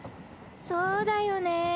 そうだよね。